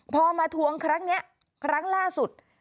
พอมาทวงครั้งนี้ครั้งล่าสุด